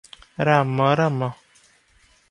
Ram Ram ।"